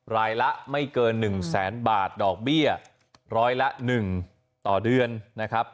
รายละไม่เกิน๑แสนบาทดอกเบี้ยร้อยละ๑ต่อเดือนนะครับ